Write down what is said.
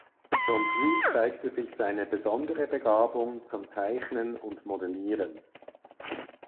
Schon früh zeigte sich seine besondere Begabung zum Zeichnen und Modellieren.